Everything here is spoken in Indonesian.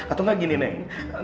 aduh gak gini nenek